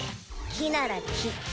木なら木。